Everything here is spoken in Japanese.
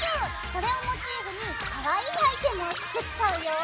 それをモチーフにかわいいアイテムを作っちゃうよ。